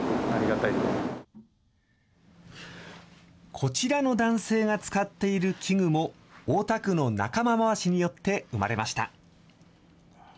こちらの男性が使っている器具も、大田区の仲間まわしによって生まれました。